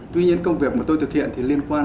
tuy nhiên công việc mà tôi thực hiện thì liên quan